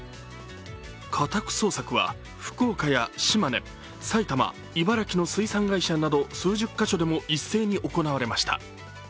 家宅捜索は福岡や島根、埼玉、茨城の水産会社など数十カ所でも一斉に行われました。